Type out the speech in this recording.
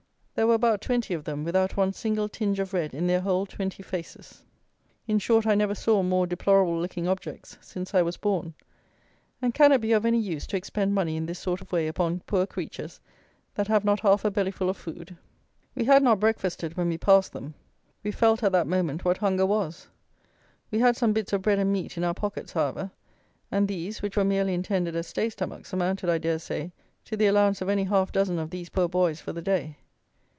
There were about twenty of them without one single tinge of red in their whole twenty faces. In short I never saw more deplorable looking objects since I was born. And can it be of any use to expend money in this sort of way upon poor creatures that have not half a bellyful of food? We had not breakfasted when we passed them. We felt, at that moment, what hunger was. We had some bits of bread and meat in our pockets, however; and these, which, were merely intended as stay stomachs, amounted, I dare say, to the allowance of any half dozen of these poor boys for the day.